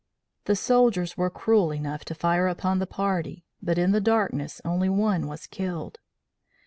The soldiers were cruel enough to fire upon the party, but in the darkness only one was killed.